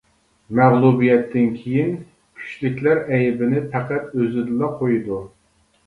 مەغلۇبىيەتتىن كېيىن كۈچلۈكلەر ئەيىبىنى پەقەت ئۆزىدىلا قويىدۇ.